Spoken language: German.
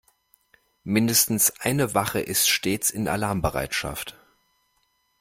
Mindestens eine Wache ist stets in Alarmbereitschaft.